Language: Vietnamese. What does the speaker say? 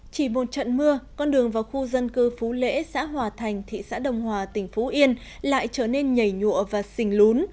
chỉ một trận mưa con đường vào khu dân cư phú lễ xã hòa thành thị xã đồng hòa tỉnh phú yên lại trở nên nhảy nhụa và xình lún